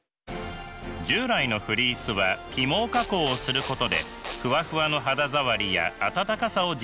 従来のフリースは起毛加工をすることでふわふわの肌触りや暖かさを実現していました。